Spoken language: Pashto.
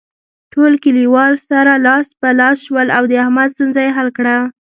ټول کلیوال سره لاس په لاس شول او د احمد ستونزه یې حل کړله.